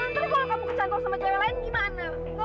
tapi kalau kamu kecantong sama cewek lain gimana